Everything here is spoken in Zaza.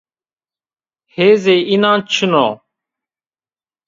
Hêzê înan çin o